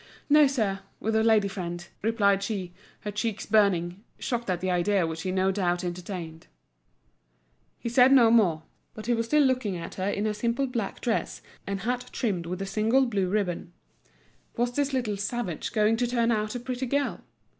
"No, sir; with a lady friend," replied she, her cheeks burning, shocked at the idea which he no doubt entertained. He said no more; but he was still looking at her in her simple black dress and hat trimmed with a single blue ribbon. Was this little savage going to turn out a pretty girl?